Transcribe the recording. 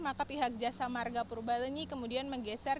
maka pihak jasamarga purbalenyi kemudian menggigit